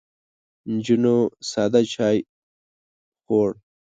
نجونو ساده چای خوړ.